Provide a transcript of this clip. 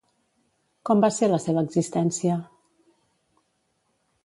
Com va ser la seva existència?